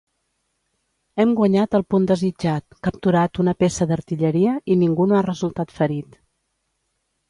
Hem guanyat el punt desitjat, capturat una peça d'artilleria i ningú no ha resultat ferit.